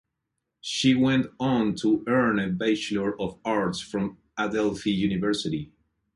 She went on to earn a Bachelor of Arts from Adelphi University.